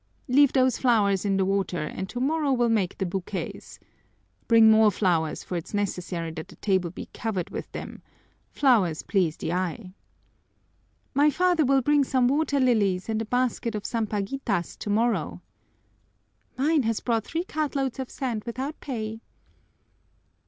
Leave those flowers in the water and tomorrow we'll make the bouquets. Bring more flowers, for it's necessary that the table be covered with them flowers please the eye." "My father will bring some water lilies and a basket of sampaguitas tomorrow." "Mine has brought three cartloads of sand without pay."